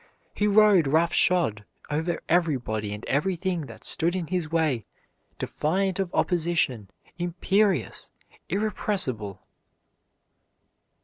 He rode roughshod over everybody and everything that stood in his way, defiant of opposition, imperious, irrepressible!